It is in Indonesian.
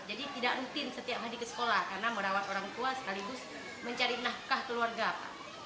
jadi tidak rutin setiap hari ke sekolah karena merawat orang tua sekaligus mencari nahkah keluarga pak